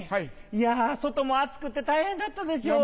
いや外も暑くて大変だったでしょう？